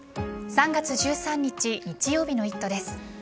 ３月１３日日曜日の「イット！」です。